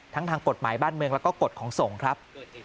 ทั้งทางกฎหมายบ้านเมืองแล้วก็กฎของสงฆ์ครับ